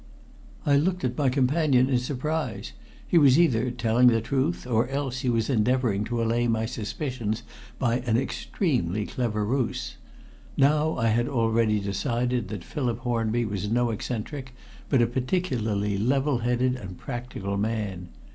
I looked at my companion in surprise. He was either telling the truth, or else he was endeavoring to allay my suspicions by an extremely clever ruse. Now I had already decided that Philip Hornby was no eccentric, but a particularly level headed and practical man.